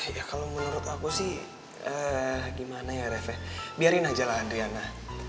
ya kalau menurut aku sih gimana ya ref ya biarin aja lah adriana